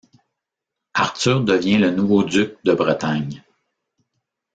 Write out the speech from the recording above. Arthur devient le nouveau duc de Bretagne.